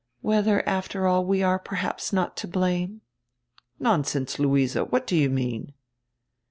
"Whether after all we are perhaps not to blame?" "Nonsense, Luise. What do you mean!"